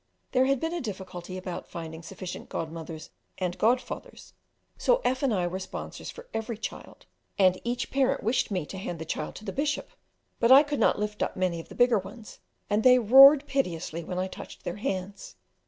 There had been a difficulty about finding sufficient godmothers and godfathers, so F and I were sponsors for every child, and each parent wished me to hand the child to the Bishop; but I could not lift up many of the bigger ones, and they roared piteously when I touched their hands.